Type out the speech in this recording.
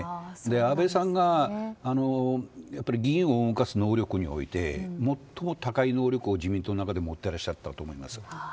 安倍さんが議員を動かす能力において最も高い能力を自民党の中で持っていらっしゃったと思います。